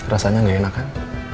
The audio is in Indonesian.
rasanya gak enak kan